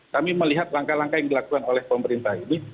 kami melihat langkah langkah yang dilakukan oleh pemerintah ini